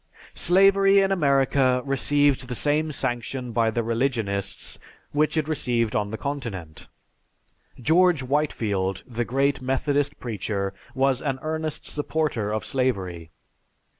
Slavery in America received the same sanction by the religionists which it received on the continent. George Whitefield, the great Methodist preacher, was an earnest supporter of slavery.